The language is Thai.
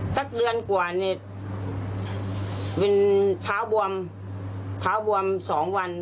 สักเรือนกว่าเนี่ยพ่อบวม๒วัน